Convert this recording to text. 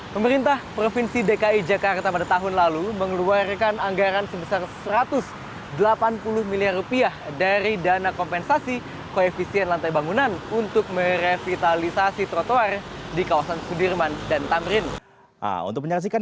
pemerintah provinsi dki jakarta pada tahun lalu mengeluarkan anggaran sebesar rp satu ratus delapan puluh miliar rupiah dari dana kompensasi koefisien lantai bangunan untuk merevitalisasi trotoar di kawasan sudirman dan tamrin